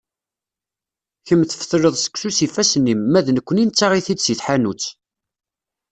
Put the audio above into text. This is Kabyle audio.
Kemm tfetleḍ seksu s yiffasen-im, ma d nekni nettaɣ-it-id si tḥanut.